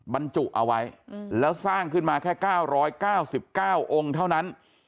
บรรจุเอาไว้แล้วสร้างขึ้นมาแค่๙๙๙องค์เท่านั้น